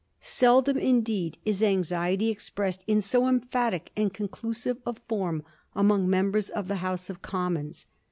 Seldom indeed is anxiety expressed in so emphatic and conclusive a form among members of the House of Commons.